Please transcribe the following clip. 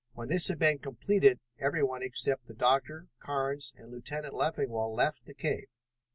When this had been completed, everyone except the doctor, Carnes, and Lieutenant Leffingwell left the cave.